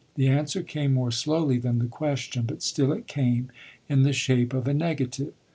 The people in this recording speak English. The answer came more slowly than the question, but still it came, in the shape of a negative.